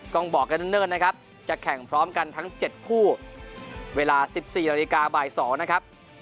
กล้องบอกกันเนิ่นนะครับจะแข่งพร้อมกันทั้งเจ็ดผู้เวลาสิบสี่ราวนิกาบ่ายสองนะครับ